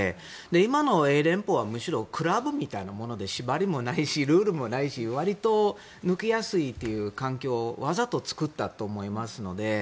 今の英連邦は、むしろクラブみたいなもので縛りもないしルールもないしわりと抜けやすいという環境をわざと作ったと思いましたので。